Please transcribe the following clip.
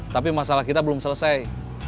tapi masalah kita belum selesai